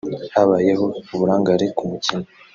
"Habayeho uburangare ku mukinnyi